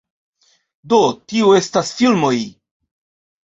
Do, tio estas filmoj